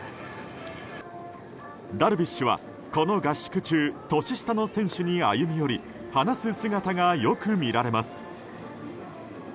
ダルビッシュは、この合宿中年下の選手に歩み寄り話す姿がよく見られます。